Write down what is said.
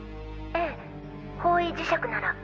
ええ方位磁石なら。